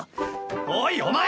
おいお前！